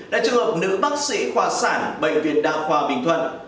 là trường hợp nữ bác sĩ khoa sản bệnh viện đa khoa bình thuận